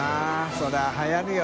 そりゃはやるよ。